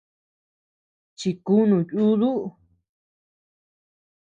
Chikunu yuduu.